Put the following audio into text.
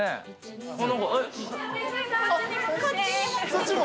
そっちも？